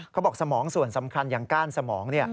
สมองส่วนสำคัญอย่างก้านสมอง